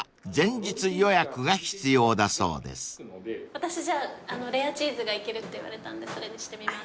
私じゃあレアチーズがいけるって言われたんでそれにしてみます。